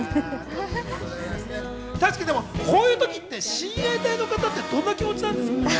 こういう時って親衛隊の方ってどんな気持ちなんですかね？